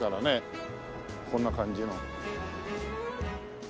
こんな感じの。